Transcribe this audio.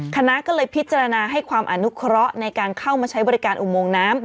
คณะก็เลยพิจารณาให้ความอนุเคราะห์ในการเข้ามาใช้บริการอุโมงน้ำ